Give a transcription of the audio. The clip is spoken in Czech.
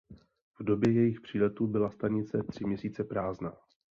V době jejich příletu byla stanice tři měsíce prázdná.